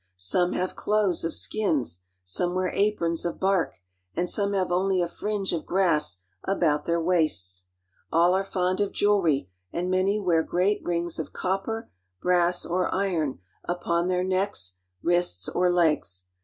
Some have clothes of skins, some wear aprons! ^^Bbf bark, and some have only a fringe of grass about their! ^^Hwaists. All are fond of jewelry, and many wear great! ^^^Kings of copper, brass, or iron upon their necks, wrists, or I ^^^pegs.